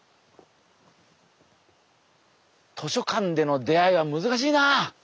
図書館での出会いは難しいな。